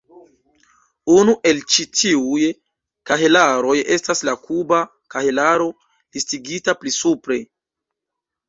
Unu el ĉi tiuj kahelaroj estas la "kuba kahelaro", listigita pli supre.